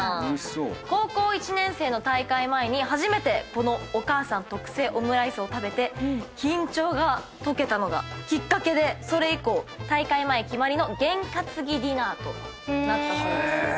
高校１年生の大会前に初めてこのお母さん特製オムライスを食べて緊張が解けたのがきっかけでそれ以降大会前決まりの験担ぎディナーとなったそうです。